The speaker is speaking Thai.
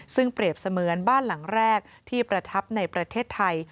ซึ่งเปรียบเสมือนบ้านหลังแรกที่ประทับในประเทศไทย